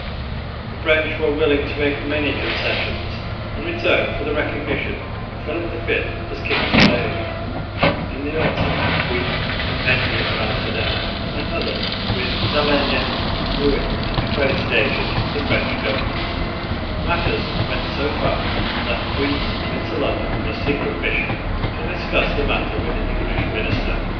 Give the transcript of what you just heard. The French were willing to make many concessions in return for the recognition of Philip V as King of Spain. In the autumn conversations took place between Heinsius, Buys the pensionary of Amsterdam, and others, with D'Allègne and Rouillé, an accredited agent of the French government. Matters went so far that Buys went to London on a secret mission to discuss the matter with the English minister.